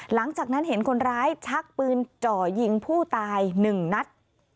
หลังจากนั้นเห็นคนร้ายชักปืนจ่อยิงผู้ตาย๑นัด